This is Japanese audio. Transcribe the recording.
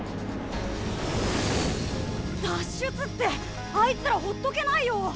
脱出ってあいつらほっとけないよ。